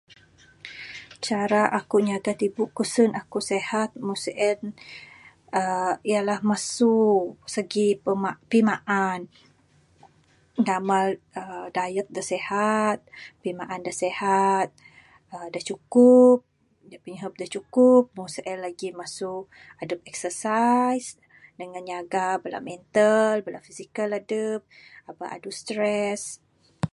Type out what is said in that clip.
Cara aku nyaga tibu ku sin aku sihat meh sien aaa ialah mesu segi pimaan gambar aaa diet dak sihat, pimaan dak sihat aaa dak cukup, pinuhup dak cukup, mung seh legi mesu adep excersie, dengan nyaga bala mental, bala fizikal adep eba adu stress.